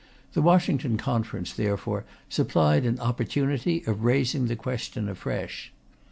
The Washington Conference, therefore, supplied an opportunity of raising the question afresh.